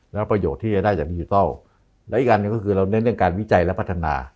แล้วประโยชน์ที่จะได้จากดิจิทัลและอีกอันหนึ่งก็คือเราเน้นเรื่องการวิจัยและพัฒนา